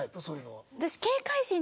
そういうのは。